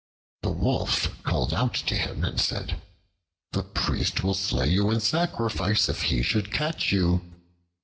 The Wolf called out to him and said, "The Priest will slay you in sacrifice, if he should catch you."